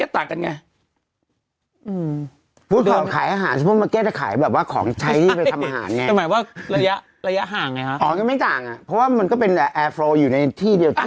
ตอนไหนเปิดตอนไหนปิด